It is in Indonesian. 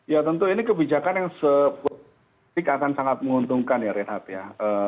ya tentu ini kebijakan yang akan sangat menguntungkan ya reinhardt ya